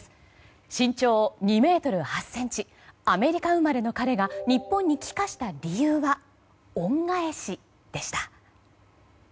身長２ｍ８ｃｍアメリカ生まれの彼が日本に帰化した理由は恩返しでした。